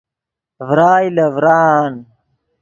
ڤرائے لے ڤران